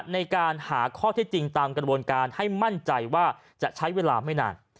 ในการหาข้อเท็จจริงตามกระบวนการให้มั่นใจว่าจะใช้เวลาไม่นาน